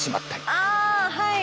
あはい！